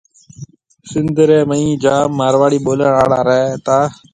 سندھ رَي مئين جام مارواڙي ٻولڻ اݪا رَي تا